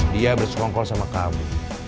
dia bersongkol sama kamu